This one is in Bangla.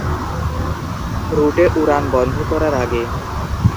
রুটে উড়ান বন্ধ করার আগে।